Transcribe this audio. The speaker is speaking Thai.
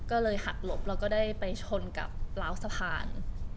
ก็เลยหักลบและได้ชนกับราวสะพาน